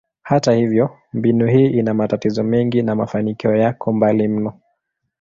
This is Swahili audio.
Hata hivyo, mbinu hii ina matatizo mengi na mafanikio yako mbali mno.